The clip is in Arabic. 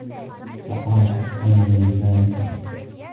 وَقَالَ حَسَّانُ بْنُ ثَابِتٍ